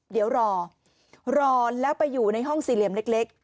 เดี๋ยวรอรอแล้วไปอยู่ในห้องสี่เหลี่ยมเล็ก